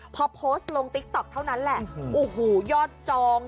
พอโพสต์ลงติ๊กต๊อกเท่านั้นแหละโอ้โหยอดจอง